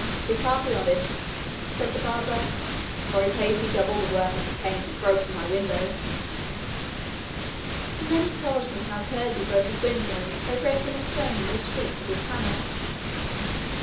'He can't be honest,' said the barber; 'for he paid me double the worth of the pane he broke in my window.' And then he told them how Curdie broke his window by breaking a stone in the street with his hammer.